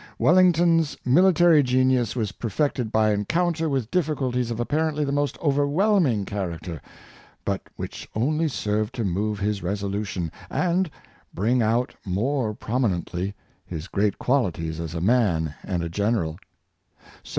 Welling ton's military genius was perfected by encounter with difficulties of apparently the most overwhelming char acter, but which only served to move his resolution, and bring out more prominently his great qualities as a man and a general.